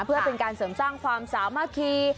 เพื่อเป็นการเสริมสร้างความสามัคคี